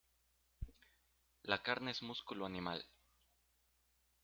La carne es músculo animal.